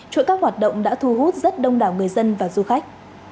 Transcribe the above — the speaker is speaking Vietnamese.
chuỗi các hoạt động đã thu hút rất đông đảo người dân và du khách